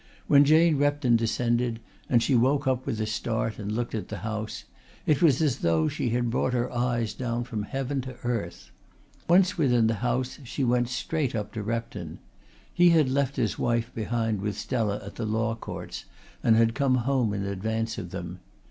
When Jane Repton descended, and she woke up with a start and looked at the house, it was as though she brought her eyes down from heaven to earth. Once within the house she went straight up to Repton. He had left his wife behind with Stella at the Law Courts and had come home in advance of them.